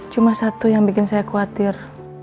cuma satu yang bikin saya khawatir